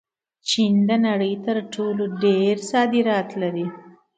چین د نړۍ تر ټولو ډېر صادرات لري.